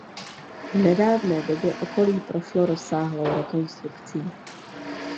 V nedávné době okolí prošlo rozsáhlou rekonstrukcí.